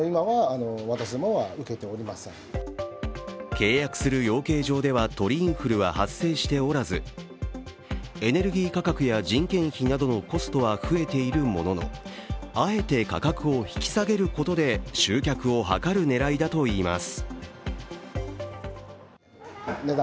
契約する養鶏場では鳥インフルは発生しておらずエネルギー価格や人件費などのコストは増えているものの、あえて価格を引き下げることで集客を図るねらいだといいます。